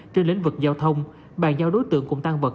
trên lĩnh vực giao thông bàn giao đối tượng cũng tăng vật